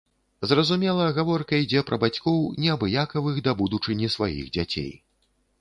Зразумела, гаворка ідзе пра бацькоў, неабыякавых да будучыні сваіх дзяцей.